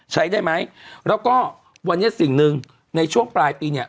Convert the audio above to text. ใช้ได้ไหมแล้วก็วันนี้สิ่งหนึ่งในช่วงปลายปีเนี่ย